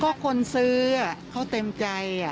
ก็คนซื้อเขาเต็มใจ